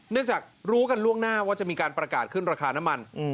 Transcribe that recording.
จากรู้กันล่วงหน้าว่าจะมีการประกาศขึ้นราคาน้ำมัน